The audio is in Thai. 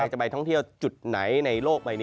ใช่